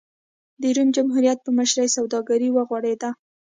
د روم جمهوریت په مشرۍ سوداګري وغوړېده.